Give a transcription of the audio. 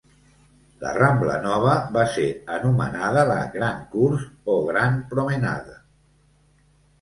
La rambla nova va ser anomenada la "Grand Cours", o "Grand Promenade".